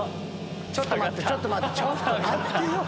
ちょっと待ってちょっと待ってよ！